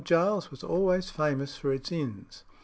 Giles's was always famous for its inns.